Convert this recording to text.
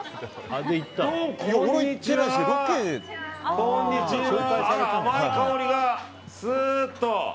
甘い香りが、スーッと。